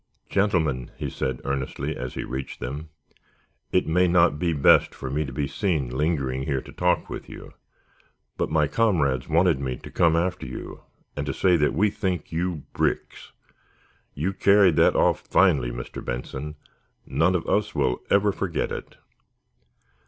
"Gentlemen," he said, earnestly, as he reached them, "it may not be best for me to be seen lingering here to talk with you. But my comrades wanted me to come after you and to say that we think you bricks. You carried that off finely, Mr. Benson. None of us will ever forget it."